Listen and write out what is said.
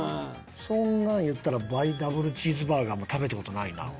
そんなん言ったら倍ダブルチーズバーガーも食べた事ないな。